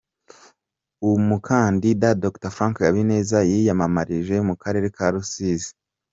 Umukandida Dr Frank Habineza yiyamamarije mu karere ka Rusizi, H.